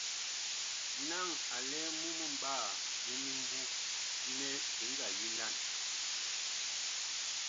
Naŋ a lɛ mumɓaa mi mimbu nɛ bi ngaa yilan.